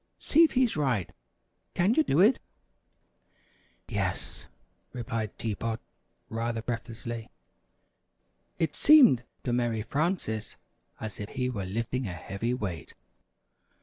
See if he's right. Can you do it?" "Yes," replied Tea Pot rather breathlessly. (It seemed to Mary Frances as if he were lifting a heavy weight.)